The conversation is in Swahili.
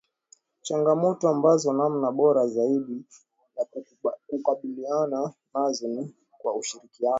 Changamoto ambazo namna bora zaidi ya kukabiliana nazo ni kwa ushirikiano